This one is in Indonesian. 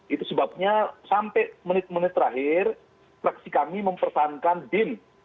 itu sebabnya sampai menit menit terakhir praksi kami mempertahankan bin